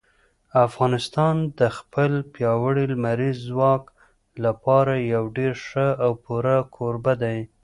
افغانستان د خپل پیاوړي لمریز ځواک لپاره یو ډېر ښه او پوره کوربه دی.